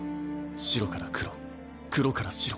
白から黒黒から白。